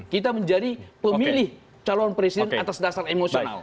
kita menjadi pemilih calon presiden atas dasar emosional